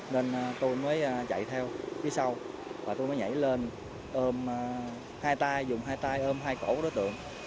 nên tôi mới chạy theo phía sau và tôi mới nhảy lên ôm hai tay dùng hai tay ôm hai cổ của đối tượng